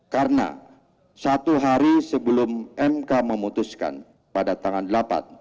karena satu hari sebelum mk memutuskan pada tanggal delapan